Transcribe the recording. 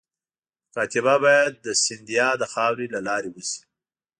مکاتبه باید د سیندهیا د خاوري له لارې وشي.